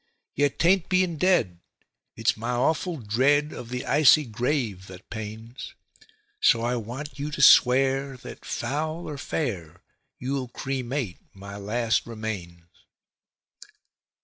Yet 'tain't being dead it's my awful dread of the icy grave that pains; So I want you to swear that, foul or fair, you'll cremate my last remains."